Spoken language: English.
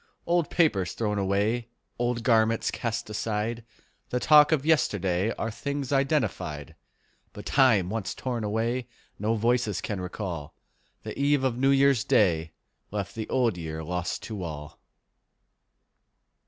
Old papers thrown away, Old garments cast aside, The talk of yesterday, Are things identified; But time once torn away No voices can recall: The eve of New Year's Day Left the Old Year lost to all.